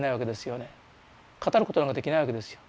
語ることなんかできないわけですよ。